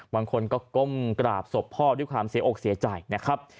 บางคนก็ก้มกราบศพพ่อด้วยความเสียอกเสียใจนะครับ